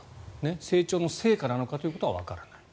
成長の成果なのかというのはわからないと。